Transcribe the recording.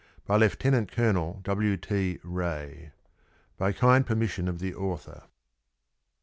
_ BY LIEUT. COLONEL W. T. REAY. (_By kind permission of the Author.